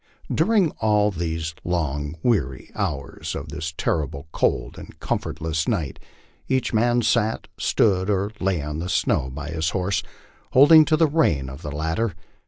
During all these long weary hours of this terribly cold and comfortless night each man sat, stood, or lay on the snow by his horse, holding to the rein of the latter.